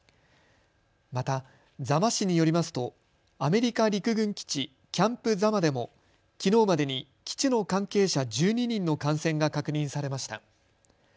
また、座間市によりますとアメリカ陸軍基地キャンプ座間でもきのうまでに基地の関係者１２人の感染が確認されました。